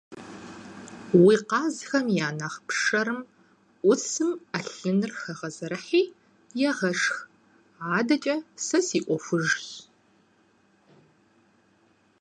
Уи къазхэм я нэхъ пшэрым Ӏусым Ӏэлъыныр хэгъэзэрыхьи, егъэшх, адэкӀэ сэ си Ӏуэхужщ.